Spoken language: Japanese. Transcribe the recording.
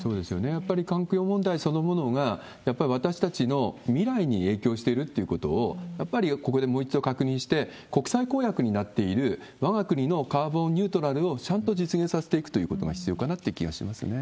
やっぱり環境問題そのものが、やっぱり私たちの未来に影響しているっていうことを、やっぱりここでもう一度確認して、国際公約になっている、わが国のカーボンニュートラルをちゃんと実現させていくということが必要かなっていう気がしますね。